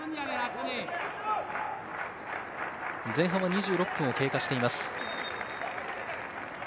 前半２６分を経過しています。